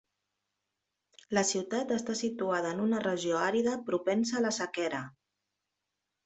La ciutat està situada en una regió àrida propensa a la sequera.